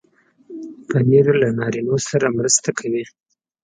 پنېر له نارینو سره مرسته کوي.